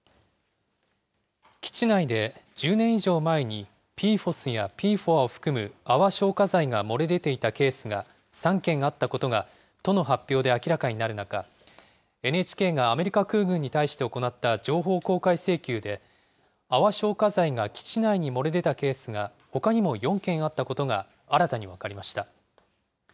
基地内で、１０年以上前にＰＦＯＳやＰＦＯＡを含む泡消火剤が漏れ出ていたケースが３件あったことが都の発表で明らかになる中、ＮＨＫがアメリカ空軍に対して行った情報公開請求で、泡消火剤が基地内に漏れ出たケースが、ほかにも４件あったことが新たに分かりました。